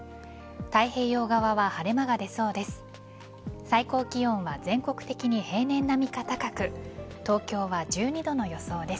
太平洋側は晴れ間が出そうです。